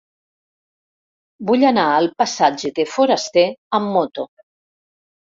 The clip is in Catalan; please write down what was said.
Vull anar al passatge de Forasté amb moto.